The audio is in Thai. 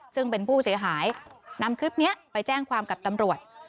ซึ่งเป็นผู้เสียหายนำคลิปนี้ไปแจ้งความกับตำรวจ